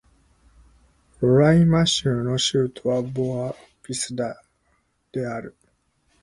ロライマ州の州都はボア・ヴィスタである